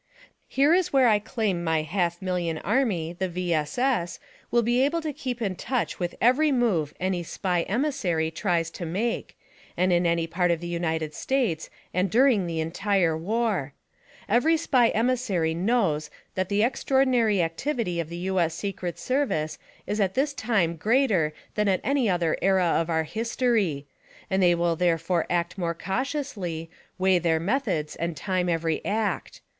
Here is where I claim my half million army — ^the V. S. S. — will be able to keep in touch with every move any Spy emissary tries tries to make, and in any part of the United States, and during the entire war. Every Spy emissary knows that the extraordinary activity of the U. S. Secret Service is at this time greater than at any other era of our history ; and they will therefore act more cautiously, weigh their methods and time every act.